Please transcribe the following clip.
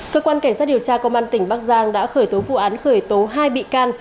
cơ quan cảnh sát điều tra công an tỉnh bắc giang đã khởi tố vụ án khởi tố hai bị can